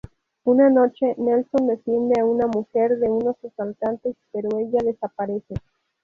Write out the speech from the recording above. Una noche, Nelson defiende a una mujer de unos asaltantes, pero ella desaparece.